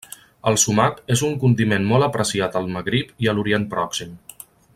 El sumac és un condiment molt apreciat al Magrib i a l'Orient pròxim.